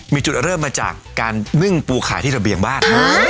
มีจุดเริ่มมาจากการนึ่งปูขายที่ระเบียงบ้าน